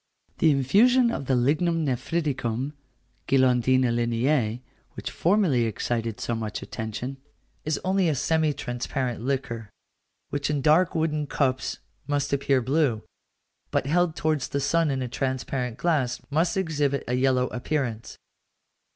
The infusion of the lignum nephriticum (guilandina Linnæi), which formerly excited so much attention, is only a semi transparent liquor, which in dark wooden cups must appear blue, but held towards the sun in a transparent glass must exhibit a yellow appearance.